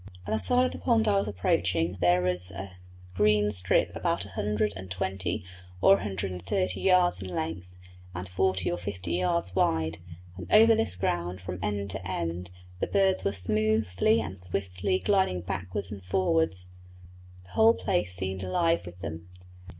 At the side of the pond I was approaching there is a green strip about a hundred and twenty or a hundred and thirty yards in length and forty or fifty yards wide, and over this ground from end to end the birds were smoothly and swiftly gliding backwards and forwards. The whole place seemed alive with them.